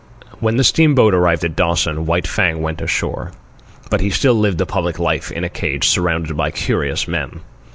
When the steamboat arrived at Dawson, White Fang went ashore. But he still lived a public life, in a cage, surrounded by curious men.